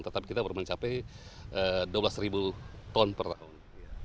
tetapi kita baru mencapai dua belas ribu ton per tahun